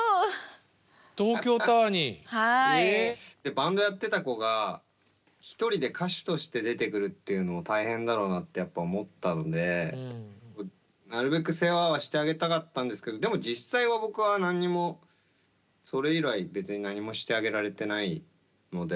バンドやってた子が一人で歌手として出てくるっていうのを大変だろうなってやっぱ思ったのでなるべく世話はしてあげたかったんですけどでも実際は僕は何にもそれ以来別に何もしてあげられてないので。